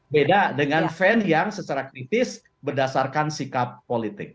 beda dengan fan yang secara kritis berdasarkan sikap politik